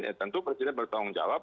ya tentu presiden bertanggung jawab